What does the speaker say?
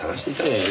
ええ。